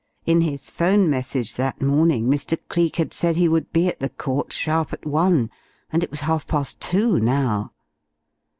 In his phone message that morning, Mr. Cleek had said he would be at the court sharp at one, and it was half past two now.